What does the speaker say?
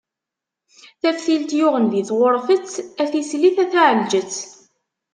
Taftilt yuɣen di tɣurfet, a tislit a taɛelǧet.